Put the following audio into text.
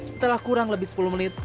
setelah kurang lebih sepuluh menit